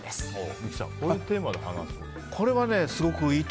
三木さん、こういうテーマで話すと。